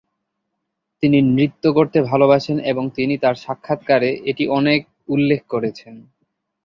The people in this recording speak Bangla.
তিনি নৃত্য করতে ভালবাসেন এবং তিনি তার সাক্ষাৎকারে এটি অনেক উল্লেখ করেছেন।